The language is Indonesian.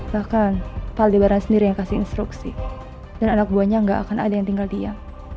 bahkan paldebara sendiri yang kasih instruksi dan anak buahnya gak akan ada yang tinggal dia